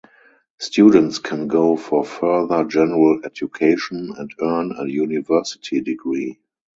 Students can go for further general education and earn a university degree.